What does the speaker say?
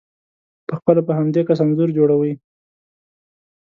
په خپله په همدې کس انځور جوړوئ،